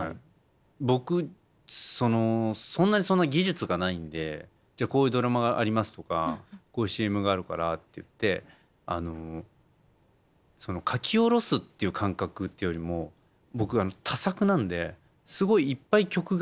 僕そんな技術がないんで「こういうドラマがあります」とか「こういうＣＭがあるから」っていって書き下ろすっていう感覚っていうよりも僕多作なんですごいいっぱい曲がある。